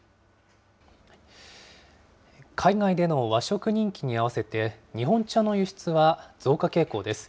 海外での和食人気に合わせて、日本茶の輸出は増加傾向です。